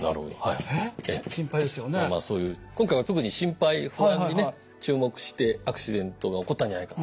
今回は特に心配不安にね注目して「アクシデントが起こったんじゃないか」